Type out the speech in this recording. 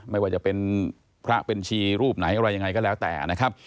ไม่ว่าจะเป็นพระเป็นชีรูปไหนอะไรยังไงก็แล้วแต่นะครับ